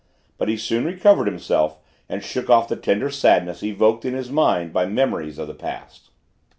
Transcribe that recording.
But he soon recovered himself and shook off the tender sadness evoked in his mind by memories of the past.